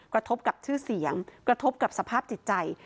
กระทบกับชื่อเสียงกระทบกับสภาพจิตใจ